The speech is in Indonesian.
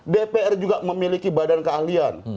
dpr juga memiliki badan keahlian